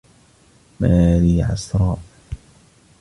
ماري عَسراء.